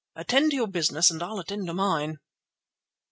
Attend to your business, and I'll attend to mine."